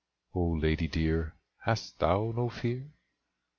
Oh, lady dear, hast thou no fear?